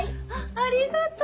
ありがとう。